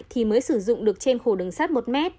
thì mới sử dụng được trên khổ đường sắt một m